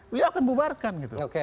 beliau akan bubarkan